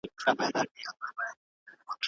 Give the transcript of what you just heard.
سیاسي استازي د هیواد استازیتوب کوي.